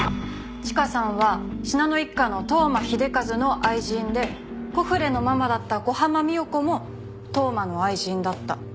チカさんは信濃一家の当麻秀和の愛人でコフレのママだった小浜三代子も当麻の愛人だった。